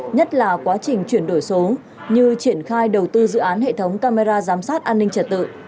nhất là quá trình chuyển đổi số như triển khai đầu tư dự án hệ thống camera giám sát an ninh trật tự